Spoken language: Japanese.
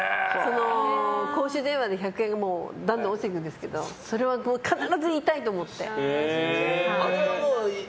公衆電話の百円がどんどん落ちていくんですけどそれは必ず言いたいと思って。